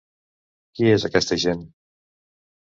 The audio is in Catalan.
Qui és aquesta gent?